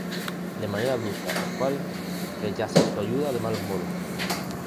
De manera abrupta, Squall rechaza su ayuda de malos modos.